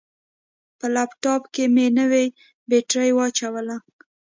په لپټاپ کې مې نوې بطرۍ واچوله.